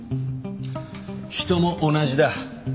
人も同じだ。